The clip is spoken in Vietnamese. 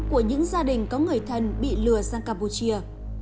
của những gia đình có người thân bị lừa sang campuchia